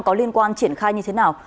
có liên quan triển khai như thế nào